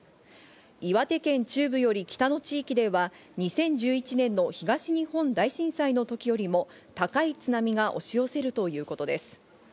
岩手県中部より北の地域では２０１１年の東日本大震災の時よりも高い津波が押し寄せるということです。